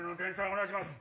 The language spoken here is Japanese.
お願いします。